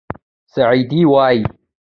سعدي وایي.